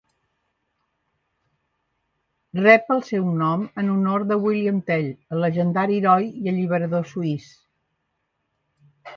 Rep el seu nom en honor de William Tell, el llegendari heroi i alliberador suís.